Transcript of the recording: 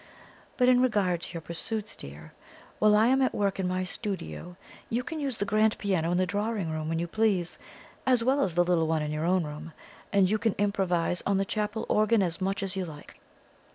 But in regard to your pursuits, dear, while I am at work in my studio, you can use the grand piano in the drawing room when you please, as well as the little one in your own room; and you can improvise on the chapel organ as much as you like."